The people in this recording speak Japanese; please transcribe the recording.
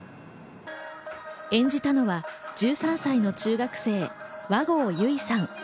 演じたのは１３歳の中学生、和合由依さん。